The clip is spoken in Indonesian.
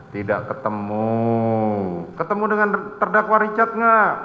tidak ketemu ketemu dengan terdakwa richard nggak